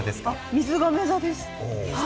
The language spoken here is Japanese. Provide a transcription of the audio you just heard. みずがめ座です。